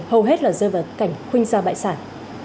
hầu hết là rơi vào cảnh khuyên gia bại sản